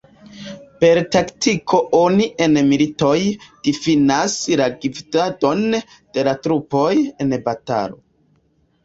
Per taktiko oni en militoj difinas la gvidadon de la trupoj en batalo.